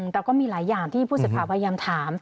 แต่ก็มีหลายอย่างที่ผู้สื่อข่าวพยายามถาม